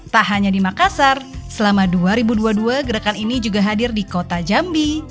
tak hanya di makassar selama dua ribu dua puluh dua gerakan ini juga hadir di kota jambi